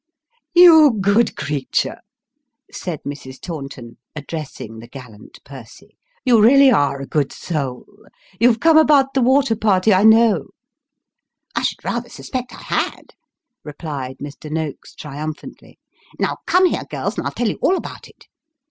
" You good creature !" said Mrs. Taunton, addressing the gallant Percy. " You really are a good soul ! You've come about the water party, I know." " I should rather suspect I had," replied Mr. Noakes, triumphantly. v 290 Sketches by Boz. " Now, come here, girls, and I'll tell you all about it."